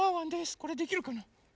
これできるかな？